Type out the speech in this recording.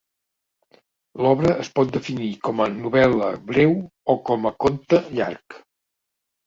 L'obra es pot definir com a novel·la breu o com a conte llarg.